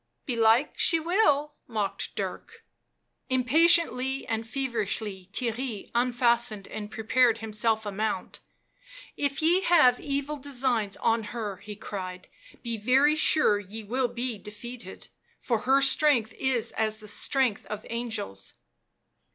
" Belike she will," mocked Dirk. Impatiently and feverishly Theirry unfastened and prepared himself a mount. "If ye have evil designs on her," he cried, " be very sure ye will be defeated, for her strength is as the strength of angels."